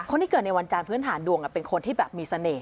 คนที่เกิดในวันจานพื้นฐานดวงเป็นคนที่แบบมีเสน่ห